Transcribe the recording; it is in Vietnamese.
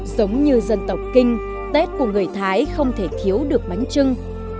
giống như dân tộc kinh tết của người thái không thể thiếu được bánh trưng